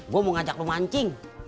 gue mau ngajak lu mancing